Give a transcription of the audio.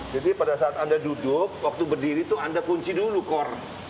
jadi pada saat anda duduk waktu berdiri itu anda kunci dulu core